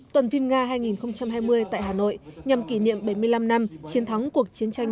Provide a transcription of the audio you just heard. tuần phim nga hai nghìn hai mươi tại hà nội nhằm kỷ niệm bảy mươi năm năm chiến thắng cuộc chiến tranh